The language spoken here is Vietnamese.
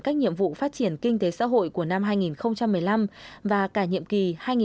các nhiệm vụ phát triển kinh tế xã hội của năm hai nghìn một mươi năm và cả nhiệm kỳ hai nghìn một mươi sáu hai nghìn hai mươi